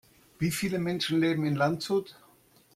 Wie viele Menschen leben in Landshut?